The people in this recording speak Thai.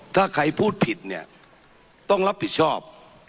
ถ้าใครพูดผิดเนี่ยต้องรับผิดชอบ